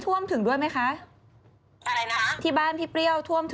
สมุยท่วมขนาดไหนครับพี่เปรี้ยว